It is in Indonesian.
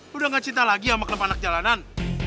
lo udah gak cinta lagi sama kelopak anak jalanan